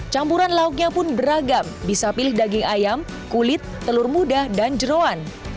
campuran lauknya pun beragam bisa pilih daging ayam kulit telur muda dan jerawan